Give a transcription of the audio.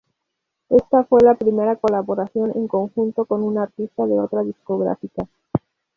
Esta fue la primera colaboración en conjunto con un artista de otra discográfica.